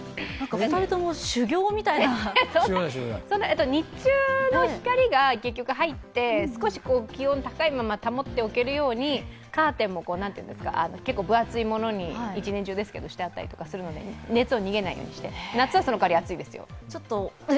２人とも修行みたいな日中の光が入って少し気温高いまま保っておけるようにカーテンも結構分厚いものに１年中ですけど、してあったりするので熱を逃げないようにして夏はその代わり暑いですよ。